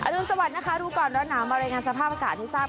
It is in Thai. อรุณสวัสดิ์นะคะดูก่อนรถหนาวมารายงานสภาพอากาศที่ทราบ